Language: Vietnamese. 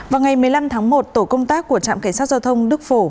vào ngày một mươi năm tháng một tổ công tác của trạm cảnh sát giao thông đức phổ